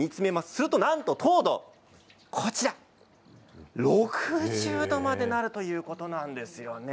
するとなんと糖度６０度までなるということなんです。